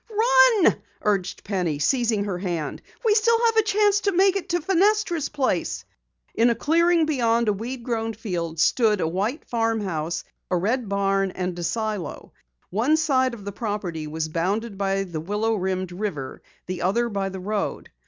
"Run!" urged Penny, seizing her hand. "We still have a chance to make Fenestra's place." In a clearing beyond a weed grown field stood a white farmhouse, a red barn and a silo. One side of the property was bounded by the willow rimmed river, the other by the road.